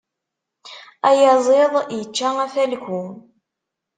Ayaziḍ ičča afalku.